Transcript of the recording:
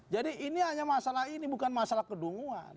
jadi ini hanya masalah ini bukan masalah kedunguan